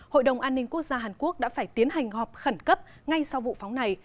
hội đồng an ninh quốc gia hàn quốc đã phải tiến hành họp khẩn cấp ngay sau vụ phóng này